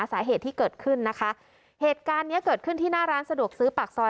สาเหตุที่เกิดขึ้นนะคะเหตุการณ์เนี้ยเกิดขึ้นที่หน้าร้านสะดวกซื้อปากซอย